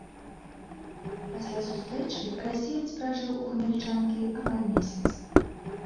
Пасля сустрэчы расеец пражыў у гамяльчанкі амаль месяц.